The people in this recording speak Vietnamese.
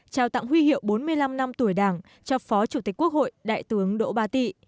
trao tặng huy hiệu bốn mươi năm năm tuổi đảng cho phó chủ tịch quốc hội đại tướng đỗ ba tị